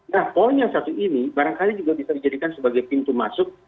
nah poin yang satu ini barangkali juga bisa dijadikan sebagai pintu masuk